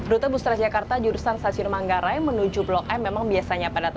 rute bus transjakarta jurusan stasiun manggarai menuju blok m memang biasanya padat